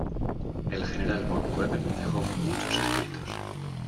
El General von Goeben dejó muchos escritos.